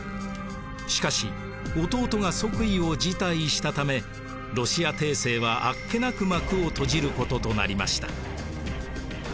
しかし弟が即位を辞退したためロシア帝政はあっけなく幕を閉じることとなりました。